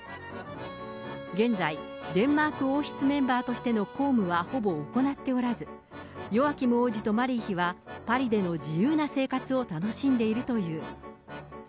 現在、デンマーク王室メンバーとしての公務はほぼ行っておらず、ヨアキム王子とマリー妃は、パリでの自由な生活を楽しんでいるという。